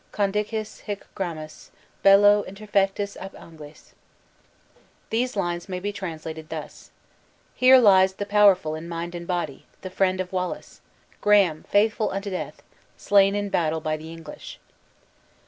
Conditus hic Gramus, bello interfectus ab Anglis." These lines may be translated thus: Here lies The powerful in mind and body, the friend of Wallace; Graham, faithful unto death! slain in battle by the English.